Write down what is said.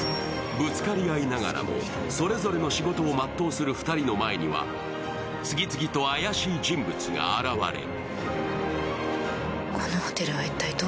ぶつかり合いながらも、それぞれの仕事を全うする２人の前には次々と怪しい人物が現れる。